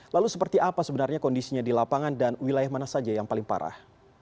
lalu seperti apa sebenarnya kondisinya di lapangan dan wilayah mana saja yang paling parah